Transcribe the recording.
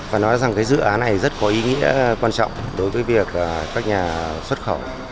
và nói rằng cái dự án này rất có ý nghĩa quan trọng đối với việc các nhà xuất khẩu